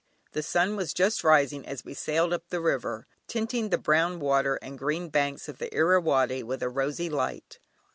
The sun was just rising as we sailed up the river, tinting the brown water and the green banks of the Irrawaddy with a rosy light.